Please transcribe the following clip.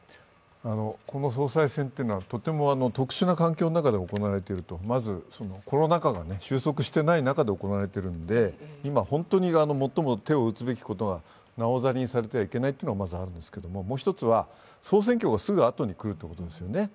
この総裁選というのはとても特殊な環境の中で行われていると、まずコロナ禍が収束していない中で行われているので、今最も手を打つべきことはなおざりにされてはいけないというのが、まずあるんですけれども、もう１つは総選挙がすぐ後にくるということですよね。